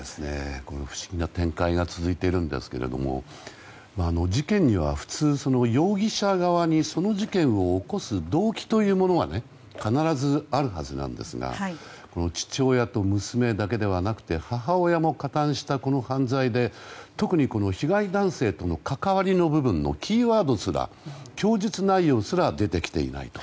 不思議な展開が続いているんですが事件には普通、容疑者側にその事件を起こす動機というものが必ずあるはずなんですが父親と娘だけではなくて母親も加担したこの犯罪で特に被害男性との関わりの部分のキーワードすら供述内容すら出てきていないと。